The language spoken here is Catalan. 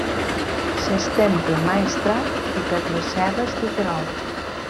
S'estén pel Maestrat i per les serres de Terol.